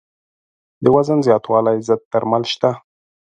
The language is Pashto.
د وزن زیاتوالي ضد درمل شته.